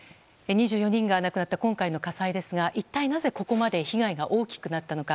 ２４人が亡くなった今回の火災ですが一体なぜここまで被害が大きくなったのか